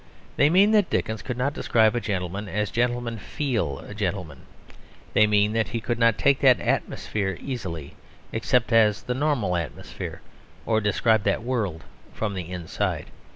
They mean that Dickens could not describe a gentleman as gentlemen feel a gentleman. They mean that he could not take that atmosphere easily, accept it as the normal atmosphere, or describe that world from the inside.